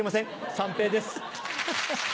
三平です。